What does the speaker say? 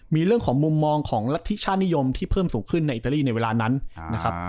มีเรื่องของมุมมองของรัฐธิชาตินิยมที่เพิ่มสูงขึ้นในอิตาลีในเวลานั้นนะครับ